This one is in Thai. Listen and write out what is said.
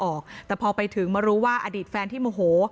พี่สาวต้องเอาอาหารที่เหลืออยู่ในบ้านมาทำให้เจ้าหน้าที่เข้ามาช่วยเหลือ